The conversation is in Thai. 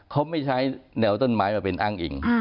เขาไม่ใช้แนวต้นไม้มาเป็นอ้างอิง